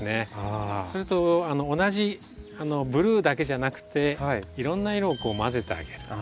それと同じブルーだけじゃなくていろんな色をこうまぜてあげる。